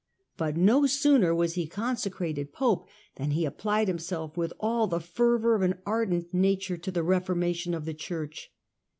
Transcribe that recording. But no sooner was he consecrated Pope than he applied himself with all the fervour of an ardent nature to the reformation of the Church.